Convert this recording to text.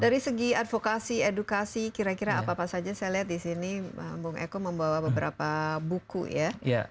dari segi advokasi edukasi kira kira apa apa saja saya lihat di sini bung eko membawa beberapa buku ya